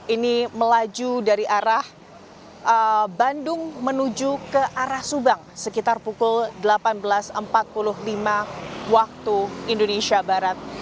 ini melaju dari arah bandung menuju ke arah subang sekitar pukul delapan belas empat puluh lima waktu indonesia barat